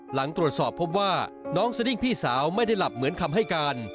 หลังตรวจสอบพบว่าน้องสดิ้งพี่สาวไม่ได้หลับเหมือนคำให้การ